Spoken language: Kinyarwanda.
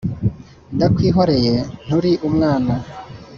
ndakwihoreye nturi umwana